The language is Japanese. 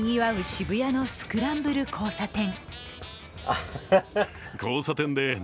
渋谷のスクランブル交差点。